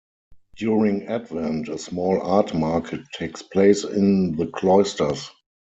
During Advent, a small art market takes place in the cloisters.